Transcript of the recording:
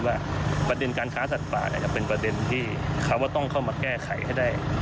ว่าประเด็นการค้าสัตว์ป่าอาจจะเป็นประเด็นที่เขาว่าต้องเข้ามาแก้ไขให้ได้